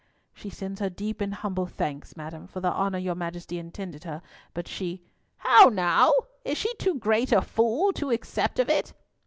"She sends her deep and humble thanks, madam, for the honour your Majesty intended her, but she—" "How now? Is she too great a fool to accept of it?"